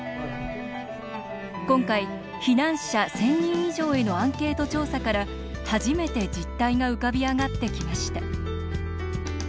今回、避難者１０００人以上へのアンケート調査から、初めて実態が浮かび上がってきました。